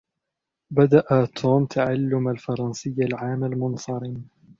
بدء توم تعلم الفرنسية العام المنصرم.